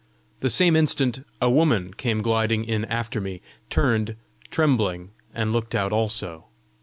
The same instant a woman came gliding in after me, turned, trembling, and looked out also.